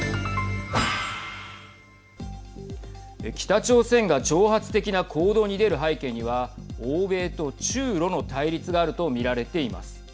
北朝鮮が挑発的な行動に出る背景には欧米と中ロの対立があると見られています。